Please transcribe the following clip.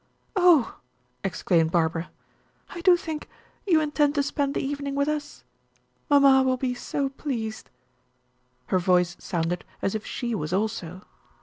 "Oh," exclaimed Barbara, "I do think you intend to spend the evening with us? Mamma will be so pleased." Her voice sounded as if she was also.